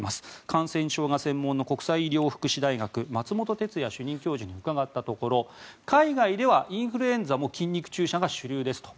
感染症が専門の国際医療福祉大学松本哲哉主任教授に伺ったところ海外ではインフルエンザも筋肉注射が主流ですと。